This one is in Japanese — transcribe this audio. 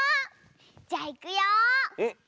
じゃいくよ。